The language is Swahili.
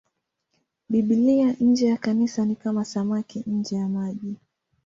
Biblia nje ya Kanisa ni kama samaki nje ya maji.